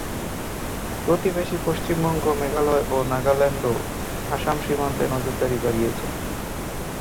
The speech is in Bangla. প্রতিবেশী পশ্চিমবঙ্গ, মেঘালয় ও নাগাল্যান্ডও আসাম সীমান্তে নজরদারি বাড়িয়েছে।